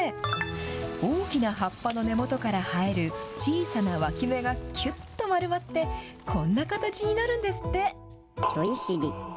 大きな葉っぱの根元から生える小さなわき芽がきゅっと丸まって、こんな形になるんですって。